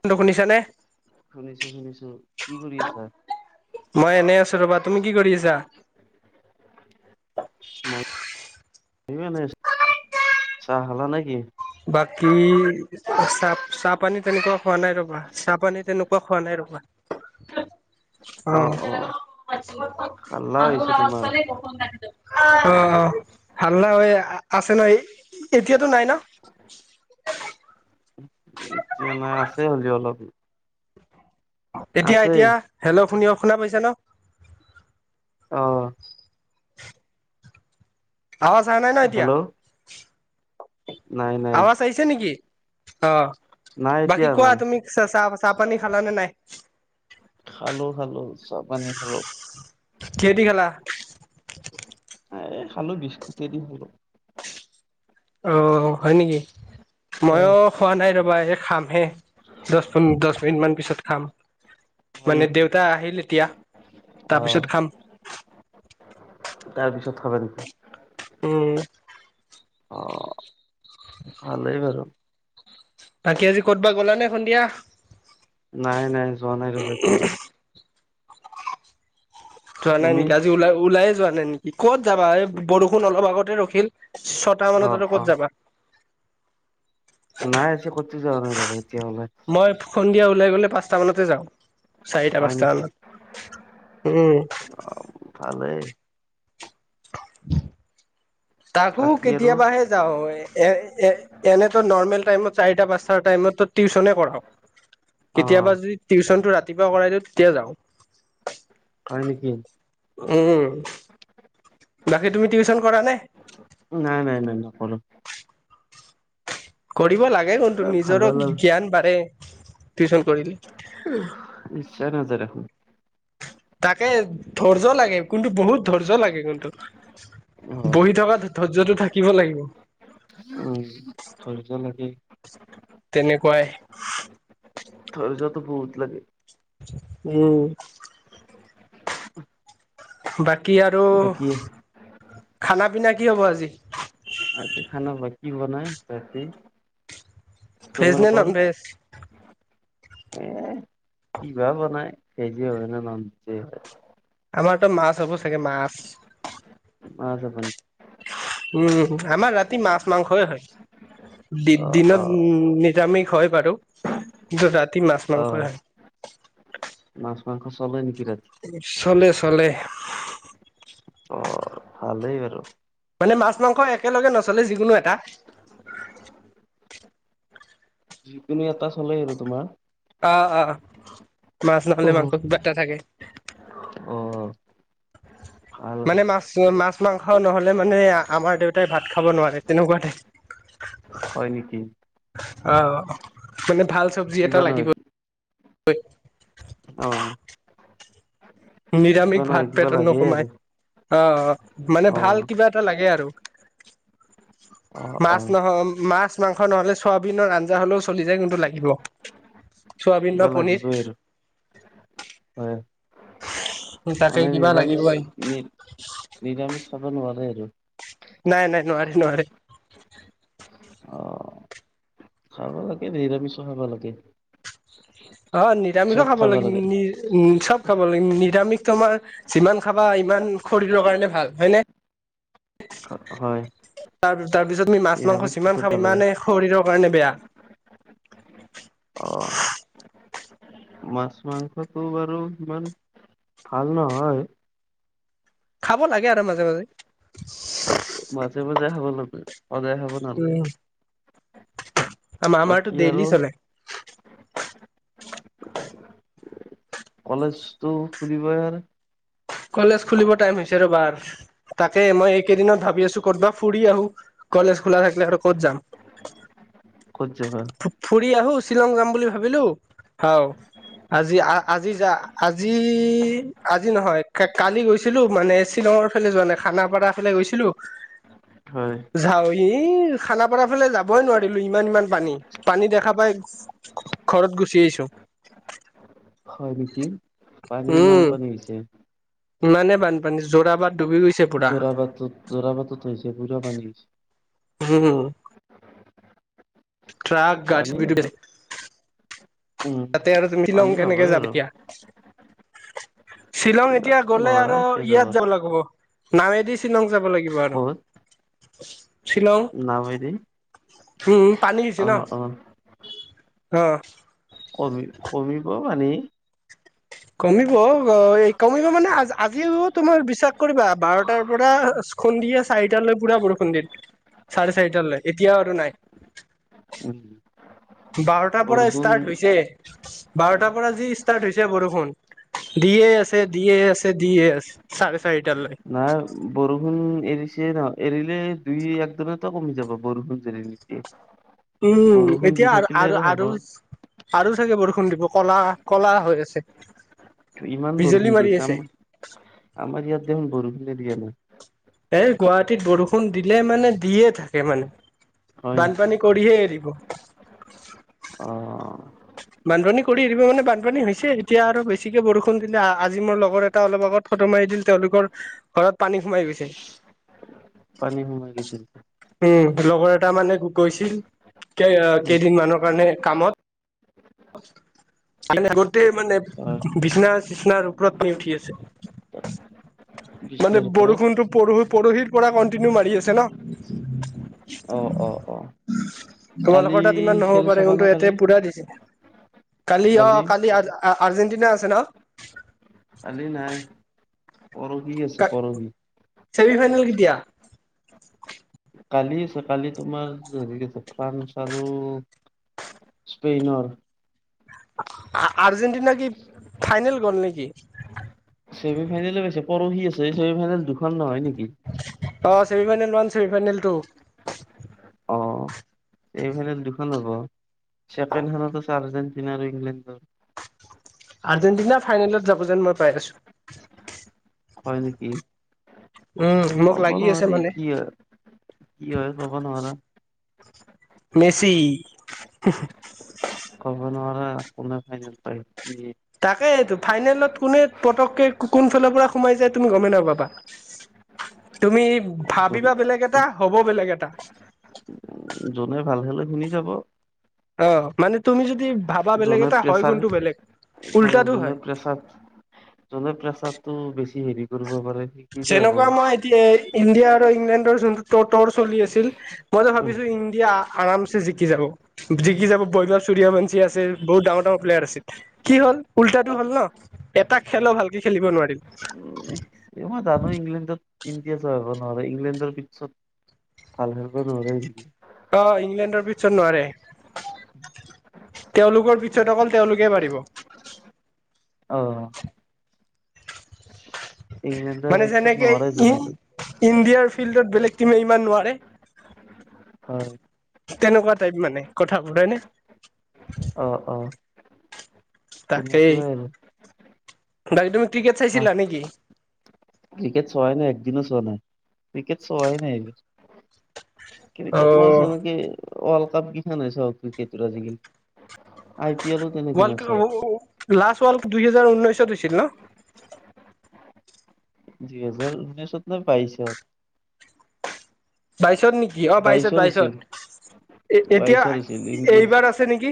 Hello শুনিছা নে? শুনিছোঁ শুনিছোঁ, কি কৰি আছা? মই এনে আছো ৰবা! তুমি কি কৰি আছা? [unintelligible] চাহ খালা নে কি? বাকী [unintelligible] চাহ পানী তেনেকুৱা খোৱা নাই ৰবা! চাহ পানী তেনেকুৱা খোৱা নাই ৰবা। অ'। হাল্লা হৈছে তোমাৰ অ' হাল্লা হয় আছে ন, এতিয়াতো নাই ন? এতিয়া নাই, আছে হ'লেও অলপ। এতিয়া, আছে এতিয়া হেল্ল' শুন শুনা পাইছা ন? অ'। আৱাজ অহা নাই ন' এতিয়া? হেল্ল' নাই নাই। [unintelligible] নেকি, অ' নাই বাকী এতিয়া কোৱা নাই তুমি চ চাহ চাহ পানী খালা নে নাই? খালো খালো, চাহ পানী খালোঁ। কিহেদি খালা? এই খালো বিস্কুটেদি খালো। অ' হয় নেকি? হয় ময়ো খোৱা নাই ৰবা! এই খামহে, দহ প দহ মিনিট মান পিছত খাম। হয় মানে নেকি দেউতা আহিল এতিয়া, তাৰপিছত খাম। তাৰপিছত খাবা নেকি? উম। অ ভালেই [inaudible] বাৰু বাকী আজি কত'বা গলা নে সন্ধিয়া? নাই নাই যোৱা নাই ৰবা [unintelligible] যোৱা নাই তুমি নেকি? আজি ওলাই ওলাইয়ে যোৱা নাই নেকি? ক'ত যাবা এই বৰষুণ অলপ আগতে ৰখিল। ছটা অ মানত আৰু অ ক'ত যাবা? নাই আজি ক'তো যোৱা নাই ৰবা! এতিয়া ওলাই। মই সন্ধিয়া ওলাই গ'লে পাঁচটামানতে যাওঁ। হয় নেকি চাৰিটা-পাঁচটা মানত। উম! অ' ভালেই। তাকো বাকী আৰু কেতিয়াবাহে। যাওঁ, এ এ এনেতো নৰ্মেল টাইমত চাৰিটা-পাঁচটা টাইমতটো টিউশনে কৰাও। অ কেতিয়াবা যদি টিউচনটো ৰাতিপুৱা কৰাই দিওঁ তেতিয়া যাওঁ। হয় নেকি? উম। বাকী, তুমি টিউচন কৰা নে? নাই নাই নাই নকৰো। কৰিব লাগে কিন্তু ভাল নিজৰ নালাগ জ্ঞান বাঢ়ে, টিউচন কৰিলে। ইচ্ছা নাযায় দেখোন। তাকে ধৈৰ্য লাগে কোন্তু বহুত ধৈৰ্য লাগে কোন্তু। হয় বহি থকা ধ ধৈৰ্য্যটো থাকিব লাগিব। উম ধৈৰ্য্য লাগে। তেনেকুৱাই। ধৈৰ্য্যটো বহুত লাগে। উম। [inaudible] বাকী আৰু বাকী খানা - পিনা কি হ'ব আজি? আজি খানা বা কি বনাই ৰাতি, ভেজ নে নন তোমালোকৰ? ভেজ? এ কি বা বনাই ভেজে হয় না ন'ন ভেজে হয়? আমাৰত মাছ হব চাগে মাছ? আছো [unintelligible] উম, আমাৰ ৰাতি মাছ - মাংসই হয়, দি অ অ দিনত উম নিৰামিষ হয়। [unintelligible] কিন্তু ৰাতি মাছ - অ মাংস হয়। মাছ - মাংস চলে নেকি ৰাত চলে চলে। অ ভালেই বাৰু। মানে মাছ - মাংস একেলগে নচলে যিকোনো এটা। যিকোনো এটা চলে আৰু তোমাৰ। অহ অহ, মাছ নহ'লে মাংস কিবা এটা থাকে। অ ভাল মানে ভাল মাছ, মাছ - মাংস ন'হলে মানে আ আমাৰ দেউতাই ভাত খাব নোৱাৰে তেনেকুৱা টাইপ। হয় নেকি? অহ মানে ভাল চব্জি এটা কিবা নহয় লাগিবই। অ। কিবা নিৰামিষ নহয় ভাত কিবা পেটত লাগে আৰু নোসোমাই, অ মানে অ ভাল কিবা এটা লাগে আৰু। [inaudible] মাছ নহ মাছ - মাংস ন'হলে ছৱাবিনৰ আঞ্জা হ'লেও চলি যায় কিন্তু লাগিব। চয়াবিন বা কিবা পনীৰ। লাগিবই আৰু হয় [inaudible] মানে কিবা নিৰামিষ লাগিবই নি নিৰামিষ খাব নোৱাৰে আৰু। নাই নাই নোৱাৰে নোৱাৰে। অ খাব লাগে নিৰামিষ খাব লাগে। অ নিৰামিষো চব খাব লাগিব লাগে নিৰ উম চব খাব লাগে, নিৰামিষ তোমাৰ যিমান খাবা ইমান শৰীৰৰ কাৰণে ভাল হয় নে? হয়। তাৰ তাৰ পিছত মি মাছ - মাংস নিৰামিষটোতো যিমান খাম ভালে সিমানে শৰীৰৰ কাৰণে বেয়া। অ মাছ- মাংসটো বাৰু ইমান ভাল নহয়। খাব লাগে আৰু মাজে - মাজে। মাজে - মাজে খাব লাগে, সদায় খাব নালাগে। আমা আমাৰটো বাকী আৰু ডেইলি চলে। কলেজটো খুলিবৰ কলেজ খুলিব টাইম হৈছে ৰ'বাৰ। তাকে মই এইকেইদিনত ভাবি আছো ক'তবা ফুৰি আহো কলেজ খোলা থাকিলে আৰু ক'ত যাম। ক'ত যাবা? ফুৰি আহো শ্বিলং যাম বুলি ভাবিলো আৰু আজি আ আজি যা আজি আজি নহয়। কালি গৈছিলোঁ মানে শ্বিলঙৰ ফালে যোৱা নাই খানাপাৰা ফালে গৈছিলোঁ। হয়। যাওঁ এই খানাপাৰা ফালে যাবই নোৱাৰিলোঁ ইমান ইমান পানী। পানী দেখা পাই ঘৰত গুচি আহিছো। হয়, নেকি পানী ইমান পানী হৈছে! মানে বানপানী যোৰাবাট ডুবি গৈছে পুৰা যোৰাবাটত যোৰাবাটতত হৈছে পুৰা পানী হৈছে। উম। ট্ৰাক পানী হ'ব [unintelligible] উম তাতে আৰু তুমি শ্বিলং পানী কেনেকে হ'বই যাব আৰু এতিয়া শ্বিলং এইবিলাক এতিয়া গ'লে নোৱাৰা আৰু এতিয়া ইয়াত যাব লাগিব। নাৱেদি শ্বিলং যাব লাগিব আৰু। ক'ত শ্বিলং নাৱেদি? উম, পানী হৈছে অ ন অ অ'। কমি কমিব পানী। কমিব এই কমিব মানে আজিও তোমাৰ বিশ্বাস কৰিবা বাৰটাৰ পৰা সন্ধিয়া চাৰিটালৈ পুৰা বৰষুণ দিয়ে চাৰে চাৰিটালৈ এতিয়াও আৰু নাই। উম। বাৰটাৰ পৰা বৰষুণ ষ্টাৰ্ট হৈছে বাৰটাৰ পৰা যি ষ্টাৰ্ট হৈছে বৰষুণ। দিয়ে আছে দিয়ে আছে দিয়ে আছে চাৰে চাৰিটাৰ লৈকে। নাই বৰষুণ এৰিছে ন এৰিলে দুই একদিনতে কমি যাব বৰষুণ জেনেৰেলি। উম, এতিয়া আৰু আৰু আৰু আৰু চাগে বৰষুণ দিব কলা কলা হৈ আছে। ইমান বিজুলী বৰষুণ দি মাৰি আছে আমাৰ আমাৰ ইয়াত দেখোন বৰষুণে দিয়া নাই। এই গুৱাহাটীত বৰষুণ দিলে মানে দিয়ে থাকে মানে। হয় নেকি বানপানী কৰিহে এৰিব। অ বানপানী কৰি দিব মানে বানপানী হৈছে এতিয়া আৰু বেছিকে বৰষুণ দিলে আজি মোৰ লগৰ এটা অলপ আগত ফটো মাৰি দিল তেওঁলোকৰ ঘৰত পানী সোমাই গৈছে। পানী সোমাই গৈছিল। উম, লগৰ এটা মানে গৈছিল উম কেইদিনমানৰ কাৰণে কামত। [unintelligible] মানে গোটেই মানে অ বিছনা চিচনাৰ ওপৰত [unintelligible] উঠি আছে। [inaudible] মানে বিচনাৰ পৰা বৰষুণটো পৰহি পৰহিৰ পৰা কন্টিনিউ মাৰি আছে ন। অ অ অ কালি তোমালোকৰ তাত ইমান খেল নহ'ব পাৰে চাবা নে কিন্তু কালি এয়াতে পুৰা দিছে। কালি অ' কালি আজ আৰ্জেণ্টিনা আছে ন? কালি নাই পৰহি আছে পৰহি। চেমি ফাইনেল কেতিয়া? কালি আছে কালি তোমাৰ হেৰি ফ্ৰান্স আৰু স্পেইনৰ। আৰ্জেণ্টনা কি ফাইনেল গ'ল নেকি? ছেমি ফাইনেল পাইছে পৰহি আছে ছেমি ফাইনেল দুখন নহয় নেকি? অঁ semi final one semi final two. অ ছেমি ফাইনেল দুখন হ'ব ছেকেণ্ড খানত আছে আৰ্জেণ্টিনা আৰু ইংলেণ্ডৰ আৰ্জেণ্টিনা ফাইনেলত যাব যেন মই পাই আছো। হয়ঁ নেকি? উম মোক কব লাগি আছে নোৱাৰি মানে কি হয় কি হয় ক'ব নোৱাৰা। মেচি হো ক'ব নোৱাৰা কোনে ফাইনেল পাই পি তাকে এইটো ফাইনেলত কোনে পতককে কোন ফালৰ পৰা সোমাই যায় তুমি গমেই নাপাবা। তুমি যোনে ভাবিবা বেলেগ এটা হ'ব বেলেগ এটা। যোনে ভাল হ'লে শুনি যাব। অঁ মানে তুমি যদি ভাবা বেলেগ যোনে এটা হয়ঁ গুণটো বেলেগ উল্টাটো হয়ঁ। প্ৰছাদ জলে প্ৰেচাৰটো বেছি হেৰি কৰিব পাৰে নি। চেনেকাৱা মই এতিয়া ইণ্ডিয়া আৰু ইংলেণ্ডৰ যোন ত তৰ চলি আছিল মই যে উম ভাবিছো ইণ্ডিয়া আৰামছে জিকি যাব। জিকি যাব বৈভৱ সূৰ্যবংশী আছে বহুত ডাঙৰ ডাঙৰ প্লেয়াৰ আছে। কি হ'ল উল্টাটো হ'ল ন এটা খেলো ভালকে খেলিব নোৱাৰিল। ইহত দাদা ইংলেণ্ডত ইণ্ডিয়া যাব নোৱাৰে ইংলেণ্ডৰ পিটচত ভাল খেলবা নোৱাৰে। অঁ ইংলেণ্ডৰ পিটচত নোৱাৰে। তেওঁলোকৰ পিচত অকল তেওঁলোকে পাৰিব। অঁ! ইংলেণ্ডৰ মানে পিছত যেনেকে নোৱাৰে ই যোনে ইণ্ডিয়াৰ ফিল্ডত বেলেগ টিমে ইমান নোৱাৰে। হয়ঁ! তেনেকুৱা টাইপ মানে কথাবোৰ হয়নে? অঁ অঁ! তাকেই। বাকী তুমি ক্ৰিকেট চাইছিলা নেকি? ক্ৰিকেট চোৱাই নাই একদিনো চোৱা নাই ক্ৰিকেট চোৱায় নাই এই ক্ৰিকেট মই অ'। চাও কি ৱৰ্ল্ড কাপ কেইখনহে চাও ক্ৰিকেটৰ আজিকালি। আই পি এলো তেনেকে ৱৰ্ল্ড কাপ নাচাওঁ। লাষ্ট ৱৰ্ল্ড কাপ দুইহেজাৰ ঊনৈছত হৈছিল ন। দুই হেজাৰ ঊনৈছত নে বাইশত বাইশত নেকি অ বাইশত বাইশৰ বাইশত হৈছিল এ এতিয়া বাইশৰ হৈছিল ইণ্ডিয়া এইবাৰ আছে। আছে নেকি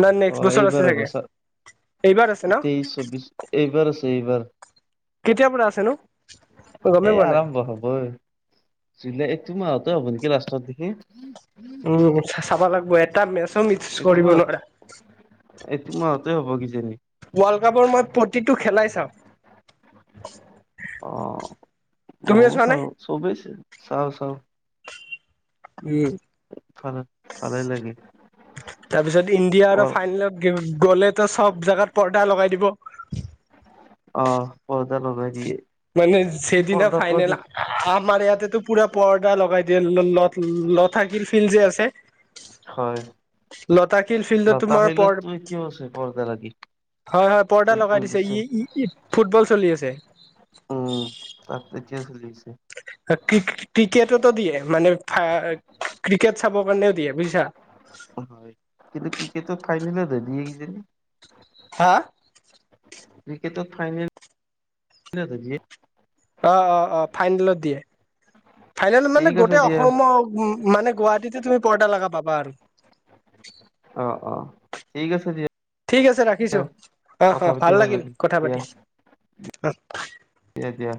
নে নাই অ নেক্সট বছৰ আছে এইবাৰ চাগে এইবাৰ আছে ন। তিছ চৌবিশ এইবাৰ আছে এইবাৰ। কেতিয়াৰ পৰা আছেনো। এ আৰম্ভ হ'বই জুলাই এইটো মাহতে হ'ব নেকি লাষ্টত দিকি উমঁ চাব লাগিব এটা মেচ। এইটোমাহত এইটো মাহতে হ'ব কিজানি। ৱৰ্ল্ড কাপৰ মই প্ৰতিটো খেলাই চাওঁ। অ তুমিও ময়ো চোৱা নে? চাওঁ চবেই চাই চাওঁ চাওঁ। উমঁ ভাল ভালে লাগে তাৰপিছত ইণ্ডিয়া অ আৰু ফাইনেলত- গ'লেটো চব জেগাত পৰ্দা লগাই দিব। অ, পৰ্দা লগাই দিয়ে। মানে সেইদিনা পৰ্দাটো পৰা ফাইনেল যি আমাৰ ইয়াতেটো পুৰা পৰ্দা লগাই দিয়ে। ল - লতা - লতাশিল ফিল্ড যে আছে। হয়। লতাশিল ফিল্ডত তোমাৰ পৰ কিয় আছে পৰ্দা লাগি হয়- হয়, পৰ্দা ফুটবল লগাই দিছে বিশ্ব ই- ই- ই ফুটবল চলি আছে। উম তাত কেতিয়া চলি আছে? ক্ৰিকেটতো দিয়ে, মানে ক্ৰিকেট চাবৰ কাৰণেও দিয়ে বুজিছা। হয়। কিন্তু ক্ৰিকেটত ফাইনেলতহে দিয়ে কিজানি। হা? ক্ৰিকেটত ফাইনেলতহে দিয়ে। অ- অ- অ, ফাইনেলত দিয়ে। ফাইনেল মানে ঠিক আছে গোটেই দিয়া অসমৰ উম, মানে গুৱাহাটীতো তুমি পৰ্দা লগা পাবা আৰু। অ- অ। ঠিক আছে, দিয়া। ঠিক আছে ৰাখিছো। অ- কথা অ, পাতি ভাল লাগিল কথা দিয়া পাতি, অ। দিয়া- দিয়া।